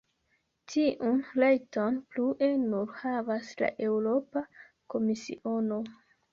Tiun rajton plue nur havas la Eŭropa Komisiono.